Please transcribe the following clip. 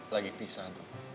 lagi pisah dulu